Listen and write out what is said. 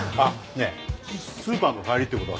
ねえスーパーの帰りって事はさ